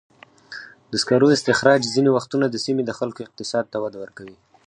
د سکرو استخراج ځینې وختونه د سیمې د خلکو اقتصاد ته وده ورکوي.